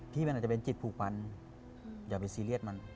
มันอาจจะเป็นจิตผูกพันอย่าไปซีเรียสมัน